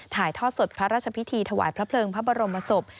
ถ่ายทอดสดพระราชพิธีถวายพระเพลิงพระบรมศพ